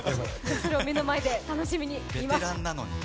それを目の前で楽しみに見ます。